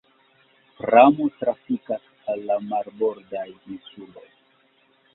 Pramo trafikas al la marbordaj insuloj.